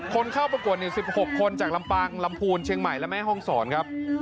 คนเข้าประกวด๑๖คนจากลำปางลำพูนเชียงใหม่และแม่ห้องศรครับ